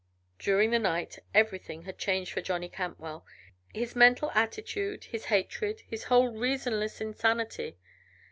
During the night everything had changed for Johnny Cantwell; his mental attitude, his hatred, his whole reasonless insanity.